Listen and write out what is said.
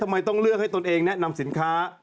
ทำไมต้องเลือกให้ตนเองแนะนำสินค้า